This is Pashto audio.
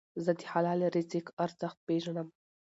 زه د حلال رزق ارزښت پېژنم.